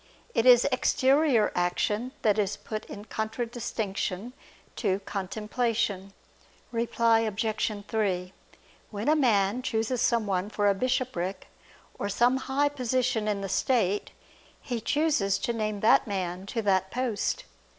It is exterior action that is put in contradistinction to contemplation. Reply Obj. 3: When a man chooses someone for a bishopric or some high position in the state, he chooses to name that man to that post.